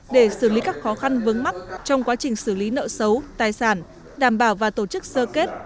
để xử lý các khó khăn vướng mắt trong quá trình xử lý nợ xấu tài sản đảm bảo và tổ chức sơ kết